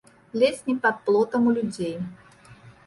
Ледзь не пад плотам у людзей.